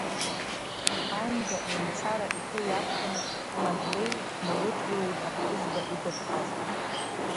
Аимга-еимцара ихы иархәаны Мадлеи дналыдгылеит аԥҳәызба игәаԥхаз.